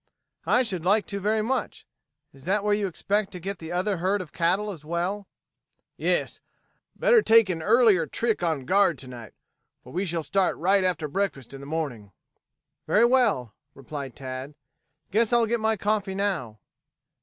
"I should like to very much. Is that where you expect to get the other herd of cattle as well?" "Yes. Better take an earlier trick on guard to night, for we shall start right after breakfast in the morning." "Very well," replied Tad. "Guess I'll get my coffee now."